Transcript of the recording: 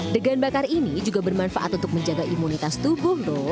degan bakar ini juga bermanfaat untuk menjaga imunitas tubuh lho